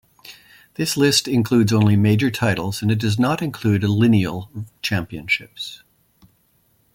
This list includes only major titles, and it does not include "lineal" championships.